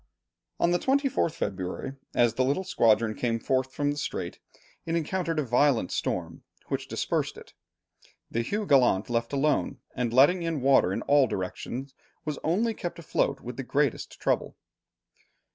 On the 24th February, as the little squadron came forth from the strait, it encountered a violent storm, which dispersed it. The Hugh Gallant, left alone, and letting in water in all directions, was only kept afloat with the greatest trouble.